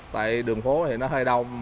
tại đường phố thì nó hơi đông